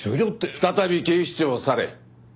再び警視庁を去れ。